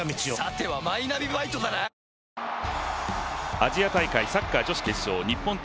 アジア大会サッカー女子決勝日本×